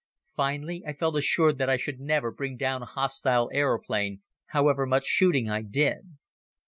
Finally I felt assured that I should never bring down a hostile aeroplane, however much shooting I did.